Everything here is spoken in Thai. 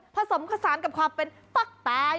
ผสมผสานกับความเป็นปั๊กตาย